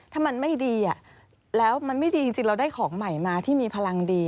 ถ้ามันไม่ดีแล้วมันไม่ดีจริงเราได้ของใหม่มาที่มีพลังดี